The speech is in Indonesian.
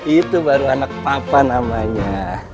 itu baru anak papa namanya